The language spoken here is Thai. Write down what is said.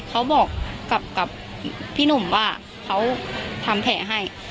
เขาบอกกับพี่หนุ่มว่าเขาทำแผลให้